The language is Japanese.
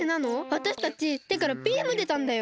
わたしたちてからビームでたんだよ？